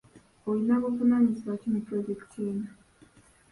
Olina buvunaanyizibwa ki mu pulojekiti eno?